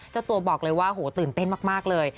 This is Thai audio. เจ้าตัวบอกเลยว่าโหตื่นเต้นมากเลย